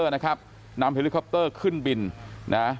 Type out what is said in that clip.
นะครับนำเฮลิคอปเตอร์ขึ้นบินนะ